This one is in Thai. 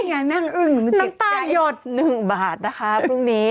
นี่ไงนั่งอึ่งมันเจ็บใจน้ำตาหยด๑บาทนะคะพรุ่งนี้